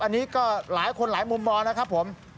อันนี้ก็หลายคนหลายมุมมองนะครับผม